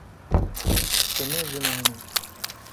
Tu ne jina min î.